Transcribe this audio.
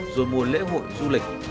rồi mùa lễ hội du lịch